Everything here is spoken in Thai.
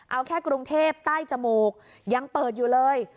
เอาแค่กรุงเทพใต้จมูกยังเปิดอยู่เลย